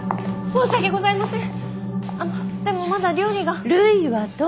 申し訳ございません。